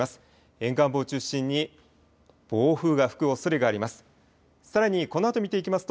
沿岸部を中心に暴風が吹くおそれがあります。